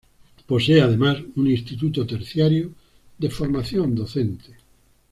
Posee además un instituto terciario de formación docente.